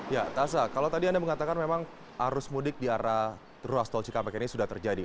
ya taza kalau tadi anda mengatakan memang arus mudik di arah ruas tol cikampek ini sudah terjadi